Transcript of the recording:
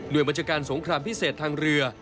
โดยบัญชาการสงครามพิเศษทางเรือ